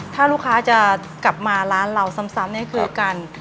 ถ้าลูกค้าจะกลับมาร้านเราซ้ำนี่คือการ